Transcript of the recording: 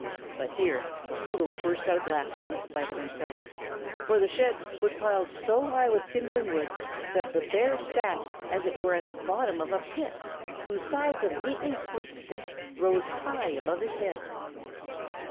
But here Toto burst out laughing in spite of himself, for the shed was piled so high with kindling wood that the bear sat as it were at the bottom of a pit whose sides of neatly split sticks rose high above his head.